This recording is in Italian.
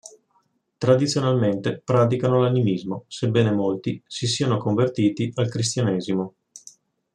Tradizionalmente praticano l'animismo, sebbene molti si siano convertiti al cristianesimo.